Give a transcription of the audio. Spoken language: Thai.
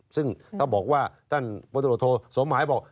ซึ่งเขาบอกว่าท่านพโธสมหายบอก